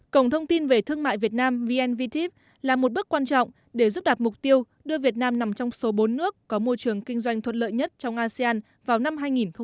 cổng thông tin về thương mại việt nam vnvt là một bước quan trọng để giúp đạt mục tiêu đưa việt nam nằm trong số bốn nước có môi trường kinh doanh thuận lợi nhất trong asean vào năm hai nghìn hai mươi